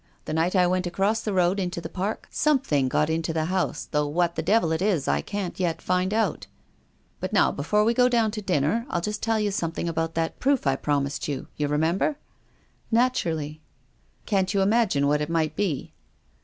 The night I went across the road into the Park something got into the house, though what the devil it is I can't yet find out. But now, before we go down to dinner, I'll just tell you something about that proof I promised you. You remember ?"" Naturally." " Can't you imagine what it might be."